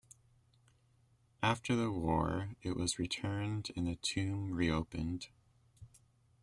After the war, it was returned and the tomb reopened.